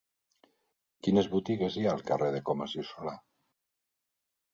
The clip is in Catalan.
Quines botigues hi ha al carrer de Comas i Solà?